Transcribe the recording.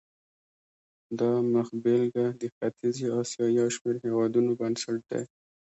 دا مخبېلګه د ختیځې اسیا یو شمېر هېوادونو بنسټ دی.